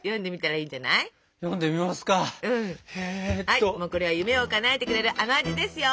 はいこれは夢をかなえてくれるあの味ですよ。